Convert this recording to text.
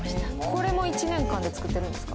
これも１年間で作ってるんですか？